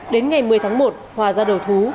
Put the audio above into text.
đến ngày một mươi tháng một hòa ra đầu thú